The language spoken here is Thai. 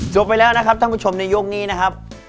ไปแล้วนะครับท่านผู้ชมในยกนี้นะครับ